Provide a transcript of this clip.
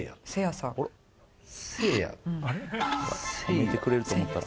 「褒めてくれると思ったら」